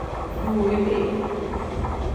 Duu ilii.